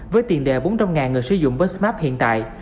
với tiền đề bốn trăm linh người sử dụng besmart hiện tại